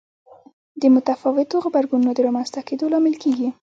د متفاوتو غبرګونونو د رامنځته کېدو لامل کېږي.